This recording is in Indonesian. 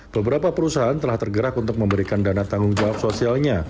beberapa perusahaan telah tergerak untuk memberikan dana tanggung jawab sosialnya